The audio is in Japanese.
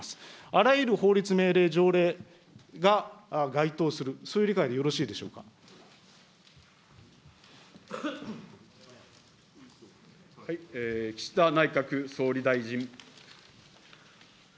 あらゆる法律、命令・条例が該当する、そういう理解でよろしいで岸田内閣総理大臣。